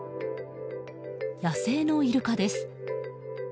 野生のイルカです。